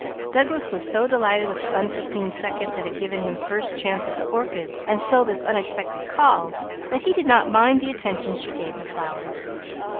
Douglas was so delighted with the unforeseen second that had given him first chance at the orchids, and so this unexpected call, that he did not mind the attention she gave the flowers.